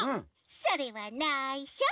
それはないしょ。